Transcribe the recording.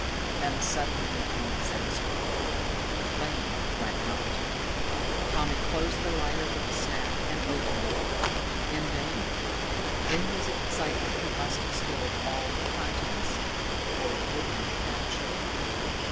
Then suddenly came disaster. The flame went out! Tommy closed the lighter with a snap and opened it. In vain. In his excitement he must have spilled all the contents, for it would not catch.